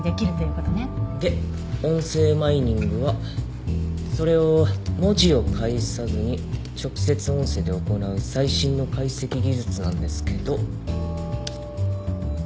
で音声マイニングはそれを文字を介さずに直接音声で行う最新の解析技術なんですけど。